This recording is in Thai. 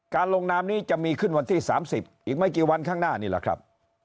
ลงนามนี้จะมีขึ้นวันที่๓๐อีกไม่กี่วันข้างหน้านี่แหละครับ